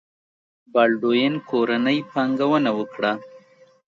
بالډوین کورنۍ پانګونه وکړه.